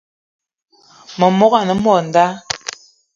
Memogo ane mod dang